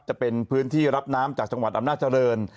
จะเป็นพื้นที่รับน้ำจากจังหวัดอำนาจริง